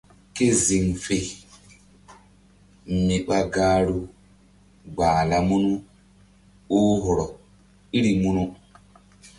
Ke ziŋ fe mi ɓa gahru gbahla munu oh hɔrɔ iri munu.